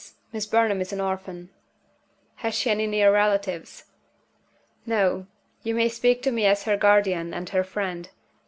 Miss Burnham is an orphan." "Has she any near relatives?" "No. You may speak to me as her guardian and her friend.